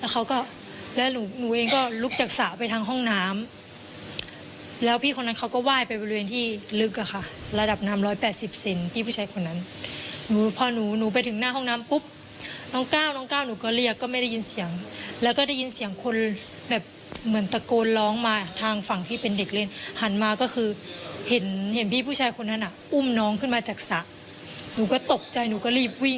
เขาก็ไหว้ไปบริเวณที่ลึกอะค่ะระดับน้ำร้อยแปดสิบเซ็นต์พี่ผู้ชายคนนั้นหนูพอหนูหนูไปถึงหน้าห้องน้ำปุ๊บน้องก้าวน้องก้าวหนูก็เรียกก็ไม่ได้ยินเสียงแล้วก็ได้ยินเสียงคนแบบเหมือนตะโกนร้องมาทางฝั่งที่เป็นเด็กเล่นหันมาก็คือเห็นเห็นพี่ผู้ชายคนนั้นน่ะอุ้มน้องขึ้นมาจากสระหนูก็ตกใจหนูก็